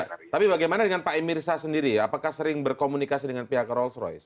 tapi bagaimana dengan pak emirsa sendiri apakah sering berkomunikasi dengan pihak rolls royce